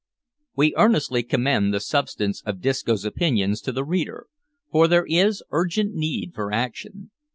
We earnestly commend the substance of Disco's opinions to the reader, for there is urgent need for action.